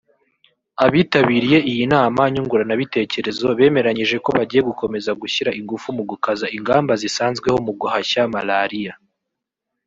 Abitabiriye iyi nama nyunguranabitekerezo bemeranyije ko bagiye gukomeza gushyira ingufu mu gukaza ingamba zisanzweho mu guhashya Malariya